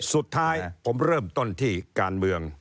สุดท้ายผมเริ่มต้นที่การเมือง